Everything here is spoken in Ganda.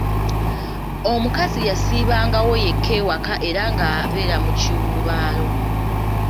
Omukazi yasiibangawo yekka ewaka era nga abeera mu kiwuubaalo.